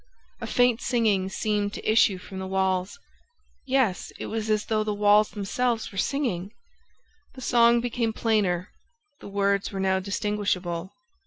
... A faint singing seemed to issue from the walls ... yes, it was as though the walls themselves were singing! ... The song became plainer ... the words were now distinguishable